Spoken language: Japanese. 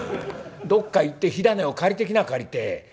どっか行って火種を借りてきな借りて。